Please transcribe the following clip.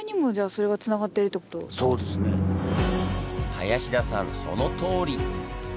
林田さんそのとおり！